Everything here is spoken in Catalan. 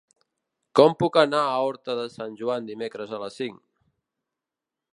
Com puc anar a Horta de Sant Joan dimecres a les cinc?